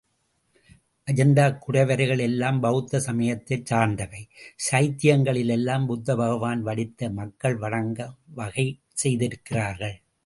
அஜந்தா குடைவரைகள் எல்லாம் பௌத்த சமயத்தைச் சார்ந்தவை, சைத்தியங்களிலெல்லாம் புத்த பகவானை வடித்து மக்கள் வணங்க வகை செய்திருக்கிறார்கள்.